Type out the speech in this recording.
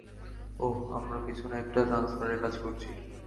ওহ, আমরা পিছনে একটা ট্রান্সফারের কাজ করছি।